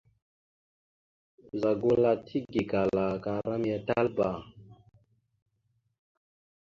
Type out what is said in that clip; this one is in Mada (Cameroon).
Ɓəza gula tigekala aka ram ya Talba.